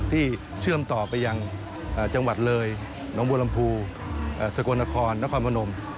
ที่เชื่อมต่อไปอย่างจังหวัดเลยน้องโบรัมพูสกนครนักคลบานม